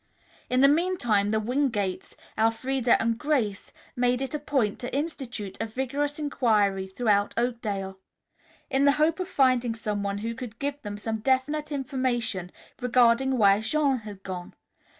In the meantime the Wingates, Elfreda and Grace made it a point to institute a vigorous inquiry throughout Oakdale, in the hope of finding someone who could give them some definite information regarding where Jean had gone.